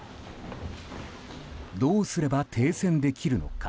どうすれば停戦できるのか。